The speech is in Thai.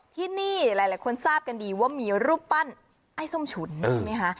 ที่นี่หลายคนทราบกันดีว่ามีรูปปั้นไอ้ส้มฉุนใช่ไหมคะ